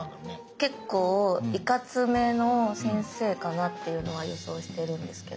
結構いかつめの先生かなっていうのは予想してるんですけど。